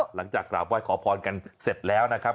หลังจากกราบไหว้ขอพรกันเสร็จแล้วนะครับ